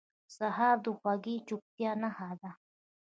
سهار د خوږې چوپتیا نښه ده.